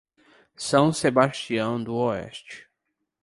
São Sebastião do Oeste